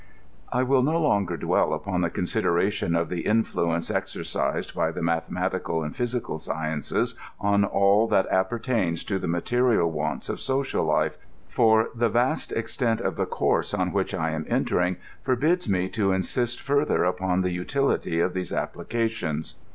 "* I will no longer dwell upon tbe considerations of tbe influ enoe exercised by tbe mathematical and physical sciences on all that appertaina to tbe material wants of social life, for the vast extent of the course on which I am entering forbids me to insist further upon the utility of these applications.